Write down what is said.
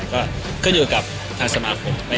ก็อยู่กับทางสมาคม